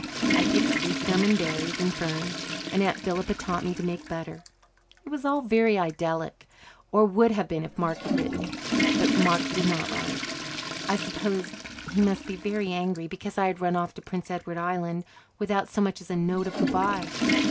I picked spruce gum and berries and ferns, and Aunt Philippa taught me to make butter. It was all very idyllic or would have been if Mark had written. But Mark did not write. I supposed he must be very angry because I had run off to Prince Edward Island without so much as a note of goodbye.